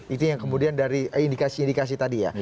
itu yang kemudian dari indikasi indikasi tadi ya